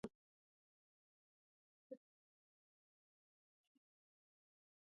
تاریخ د افغانستان د اقتصادي ودې لپاره ارزښت لري.